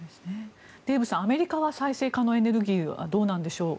デーブさんアメリカは再生可能エネルギーはどうなんでしょう。